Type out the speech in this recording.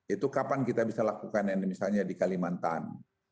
itu kapan kita bisa lakukan misalnya di kalimantan